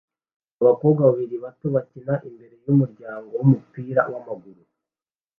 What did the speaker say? Abakobwa babiri bato bakina imbere yumuryango wumupira wamaguru